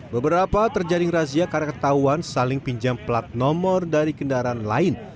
beberapa terjaring razia karena ketahuan saling pinjam plat nomor dari kendaraan lain